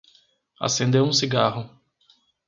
Acendeu um cigarro